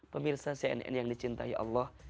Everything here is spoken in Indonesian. pemirsa cnn yang dicintai allah